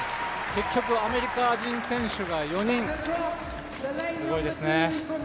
結局、アメリカ人選手が４人、すごいですね。